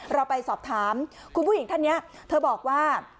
เราไปสอบถามคุณผู้หญิงท่านนี้เธอบอกว่า